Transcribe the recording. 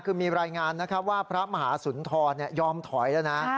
คือมีรายงานนะครับว่าพระมหาสุนทรยอมถอยแล้วนะ